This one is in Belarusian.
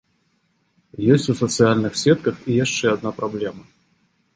Ёсць у сацыяльных сетках і яшчэ адна праблема.